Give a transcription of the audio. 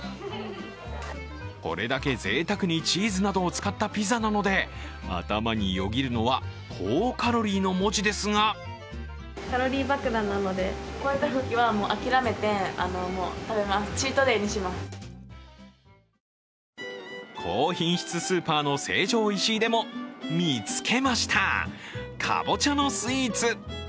これだけぜいたくにチーズなどを使ったピザなので頭によぎるのは、「高カロリー」の文字ですが高品質スーパーの成城石井でも見つけました、かぼちゃのスイーツ。